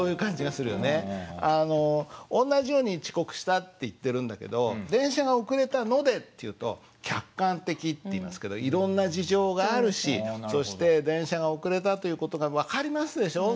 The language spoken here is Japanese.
あの同じように遅刻したって言ってるんだけど「電車が遅れたので」って言うと客観的っていいますけど「いろんな事情があるしそして電車が遅れたという事が分かりますでしょう。